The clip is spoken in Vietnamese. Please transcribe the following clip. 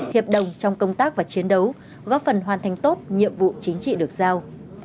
hiệp đồng trong công tác và chiến đấu góp phần hoàn thành tốt nhiệm vụ chính trị được giao